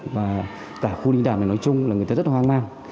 và cả khu linh đàm này nói chung là người ta rất hoang mang